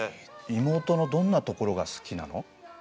妹のどんなところが好きなの？